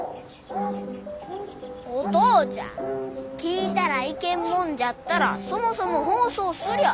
お父ちゃん聴いたらいけんもんじゃったらそもそも放送すりゃあ